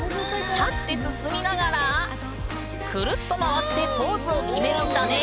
立って進みながらクルッと回ってポーズを決めるんだね。